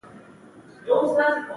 دا هیلې هغه وخت تر خاورې لاندې شوې.